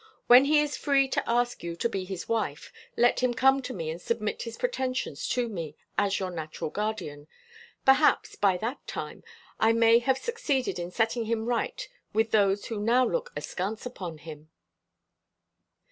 "When he is free to ask you to be his wife, let him come to me and submit his pretensions to me, as your natural guardian. Perhaps, by that time, I may have succeeded in setting him right with those who now look askance upon him!"